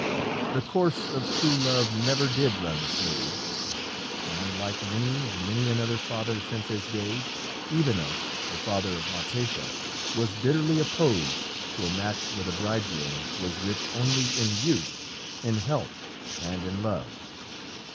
"The course of true love never did run smooth," and, like many and many another father since his day, Evenos, the father of Marpessa, was bitterly opposed to a match where the bridegroom was rich only in youth, in health, and in love.